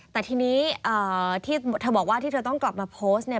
แต่ทีนี้ที่เธอบอกว่าที่เธอต้องกลับมาโพสต์เนี่ย